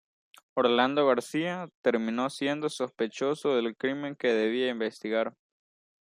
Orlando García terminó siendo sospechoso del crimen que debía investigar.